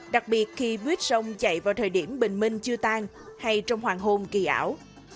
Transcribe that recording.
đặc biệt khi buýt sông chạy vào thời điểm bình minh chưa tan hay trong hoàng hôn kỳ ảo